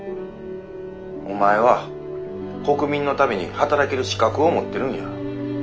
お前は国民のために働ける資格を持ってるんや。